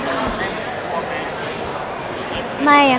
ไม่เป็นความนะ